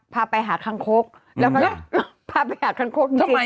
พาไปหาคังคกพาไปหาคังคกจริง